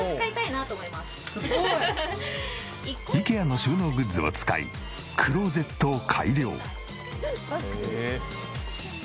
ＩＫＥＡの収納グッズを使いクローゼットを改良。